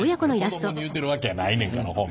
子供に言うてるわけやないねんから。